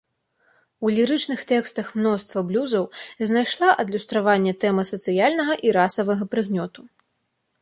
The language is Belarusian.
У лірычных тэкстах мноства блюзаў знайшла адлюстраванне тэма сацыяльнага і расавага прыгнёту.